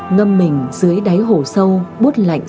ngâm mình dưới đáy hổ sâu bút lạnh